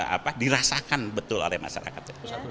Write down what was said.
apa dirasakan betul oleh masyarakat